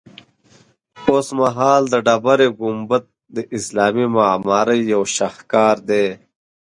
اوسمهال د ډبرې ګنبد د اسلامي معمارۍ یو شهکار دی.